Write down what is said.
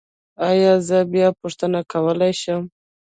ایا زه بیا پوښتنه کولی شم؟